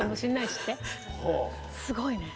すごいね。